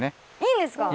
いいんですか？